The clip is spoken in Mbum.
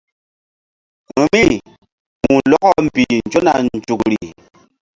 Vbi̧ri ku̧lɔkɔ mbih nzona nzukri.